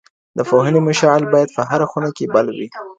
د پوهني مشعل باید په هره خوني کي بل وي.